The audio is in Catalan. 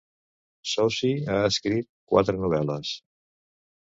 Soucy ha escrit quatre novel·les.